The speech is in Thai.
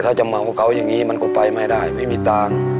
ถ้าจะเมากับเขาอย่างนี้มันก็ไปไม่ได้ไม่มีตังค์